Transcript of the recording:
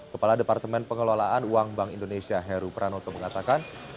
kepala departemen pengelolaan uang bank indonesia heru pranoto mengatakan